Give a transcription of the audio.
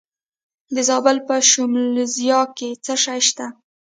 د زابل په شمولزای کې څه شی شته؟